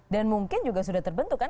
dan mungkin juga sudah terbentuk kan